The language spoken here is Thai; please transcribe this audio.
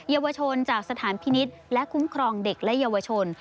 เยาวชนจากสถานพินิษฐ์และคุ้มครองเด็กและเยาวชน